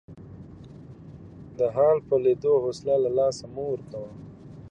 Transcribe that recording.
د حال په لیدو حوصله له لاسه مه ورکوئ.